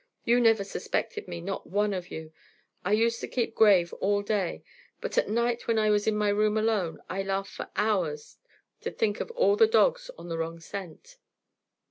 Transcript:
You never suspected me, not one of you. I used to keep grave all day, but at night when I was in my room alone I laughed for hours to think of all the dogs on the wrong scent."